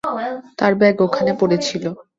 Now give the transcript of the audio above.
তার ব্যাগ ওখানে পড়ে ছিল।